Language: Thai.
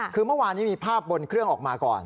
คือเมื่อวานนี้มีภาพบนเครื่องออกมาก่อน